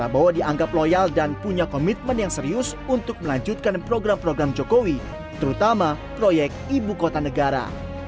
prabowo dianggap loyal dan punya komitmen yang serius untuk melanjutkan program program jokowi terutama proyek ibu kota negara